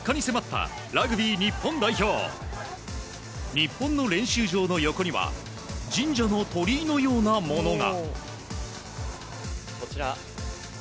日本の練習場の横には神社の鳥居のようなものが。